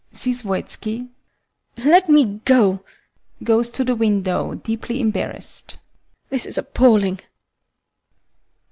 HELENA. [Sees VOITSKI] Let me go! [Goes to the window deeply embarrassed] This is appalling!